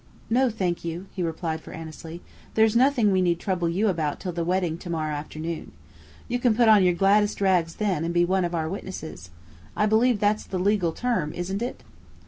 "No, thank you," he replied for Annesley. "There's nothing we need trouble you about till the wedding to morrow afternoon. You can put on your gladdest rags then, and be one of our witnesses. I believe that's the legal term, isn't it?"